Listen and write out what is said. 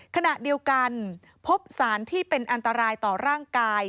ขณะเดียวกันพบสารที่เป็นอันตรายต่อร่างกาย